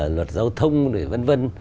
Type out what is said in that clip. luật giao thông vân vân